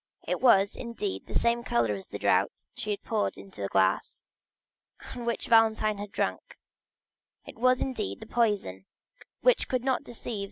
It was, indeed, the same color as the draught she had poured into the glass, and which Valentine had drunk; it was indeed the poison, which could not deceive M.